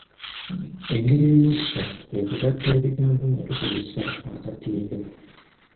Engeri eyookusatu kwe kugatta ebigambo nga tukozesa akatindo.